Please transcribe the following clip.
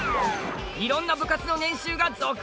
色んな部活の年収が続々！